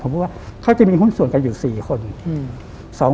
ผมพูดว่าเขาจะมีหุ้นส่วนกันอยู่๔คน